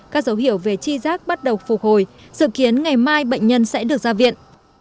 các dấu hiệu về chi giác bắt đầu phục hồi sự kiến ngày mai bệnh nhân sẽ được ra viện